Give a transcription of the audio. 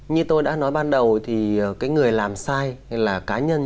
như tôi đã nói ban đầu thì cái người làm sai là cá nhân